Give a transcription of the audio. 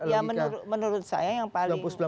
ya menurut saya yang paling